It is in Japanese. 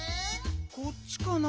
こっちかな？